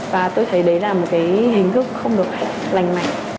và tôi thấy đấy là một cái hình thức không được lành mạnh